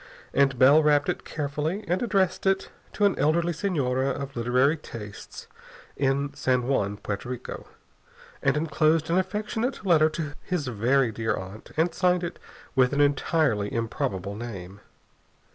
And Bell wrapped it carefully, and addressed it to an elderly senora of literary tastes in San Juan, Porto Rico, and enclosed an affectionate letter to his very dear aunt, and signed it with an entirely improbable name.